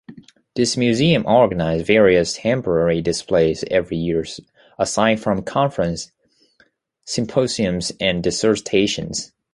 This museum organizes various temporary displays every year, aside from conferences, symposiums and dissertations.